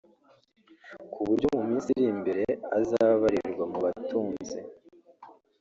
ku buryo mu minsi iri mbere azaba abarirwa mu batunzi